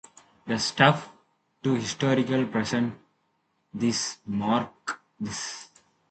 The shift to the historic present tense marks this.